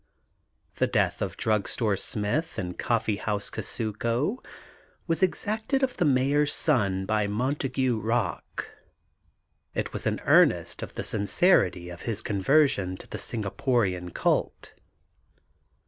The death of Drug Store Smith and Coffee House Kusuko was exacted of the Mayor's son by Montague Rock. It was an earnest of th^ sincerity of his conversion to the Singa porian cult.